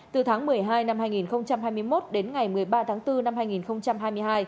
từ tháng một mươi hai năm hai nghìn hai mươi một đến ngày một mươi ba tháng bốn năm hai nghìn hai mươi hai